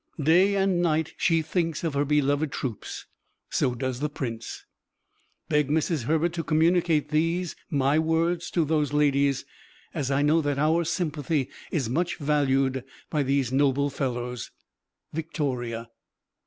Day and night she thinks of her beloved troops. So does the Prince. "Beg Mrs. Herbert to communicate these my words to those ladies, as I know that our sympathy is much valued by these noble fellows. Victoria."